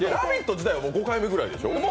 自体は５回目ぐらいでしょ